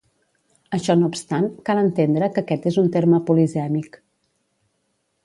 Això no obstant, cal entendre que aquest és un terme polisèmic.